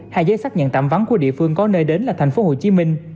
hay giấy xác nhận tạm vắng của địa phương có nơi đến là tp hcm